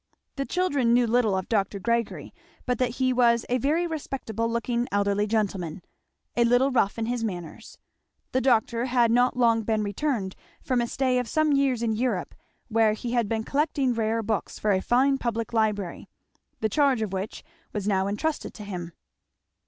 The children knew little of Dr. Gregory but that he was a very respectable looking elderly gentleman, a little rough in his manners; the doctor had not long been returned from a stay of some years in Europe where he had been collecting rare books for a fine public library, the charge of which was now entrusted to him.